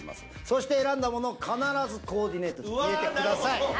そして選んだものを必ずコーディネートに入れてください。